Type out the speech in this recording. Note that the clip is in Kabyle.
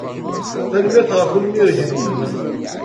Tanemmirt ɣef unmireg-nwen.